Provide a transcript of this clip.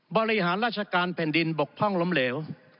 บริหารราชการแผ่นดินบกพร่องล้มเหลว